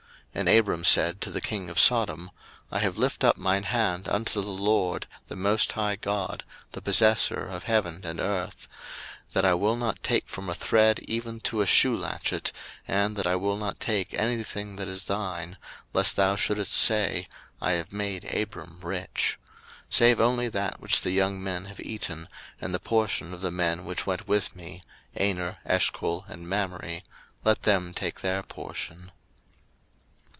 01:014:022 And Abram said to the king of Sodom, I have lift up mine hand unto the LORD, the most high God, the possessor of heaven and earth, 01:014:023 That I will not take from a thread even to a shoelatchet, and that I will not take any thing that is thine, lest thou shouldest say, I have made Abram rich: 01:014:024 Save only that which the young men have eaten, and the portion of the men which went with me, Aner, Eshcol, and Mamre; let them take their portion.